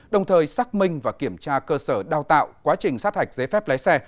đồng thời xác minh và kiểm tra cơ sở đào tạo quá trình sát hạch giấy phép lái xe